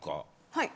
はい。